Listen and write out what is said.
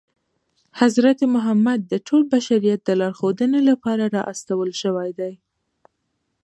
حضرت محمد ص د ټول بشریت د لارښودنې لپاره را استول شوی دی.